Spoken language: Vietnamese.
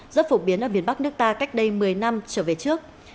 rất phổ biến ở miền bắc nước ta cách đây một mươi năm trở về trước